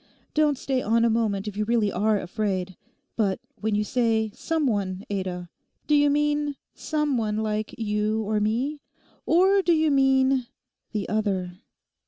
Don't stay on a moment if you really are afraid. But when you say "some one" Ada, do you mean—some one like you or me; or do you mean—the other?